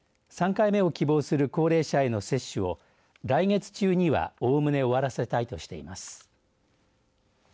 ３回目を希望する高齢者への接種を来月中には、おおむね終わらせたいとしています。